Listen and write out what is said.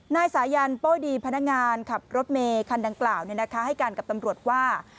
นายสายันโป้ดีพนักงานขับรถเมคันดังกล่าวให้การกับตำรวจว่า